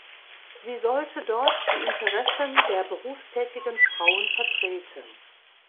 Sie sollte dort die Interessen der berufstätigen Frauen vertreten.